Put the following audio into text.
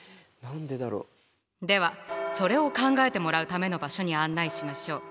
ではそれを考えてもらうための場所に案内しましょう。